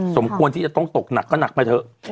สมควรที่จะต้องตกหนักก็หนักไปเถอะ